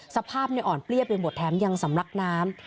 สภาพในอ่อนเปรี้ยเป็นบทแท้มยังสำรักน้ำ